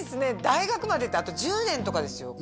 大学までってあと１０年とかですよ